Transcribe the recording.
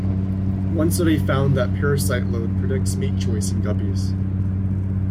One study found that parasite load predicts mate choice in guppies.